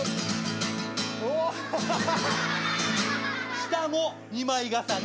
下も２枚重ね。